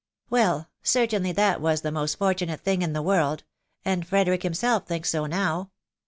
" Well ! certainly that was the most fortunate thing in the world .... and Frederick himself thinks so now.